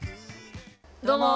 どうも。